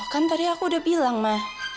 kan tadi aku udah bilang mah